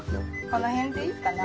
この辺でいいかな？